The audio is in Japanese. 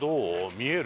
見える？